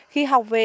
khi học về